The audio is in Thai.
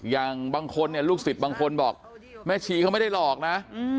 อย่างบางคนเนี่ยลูกศิษย์บางคนบอกแม่ชีเขาไม่ได้หลอกนะ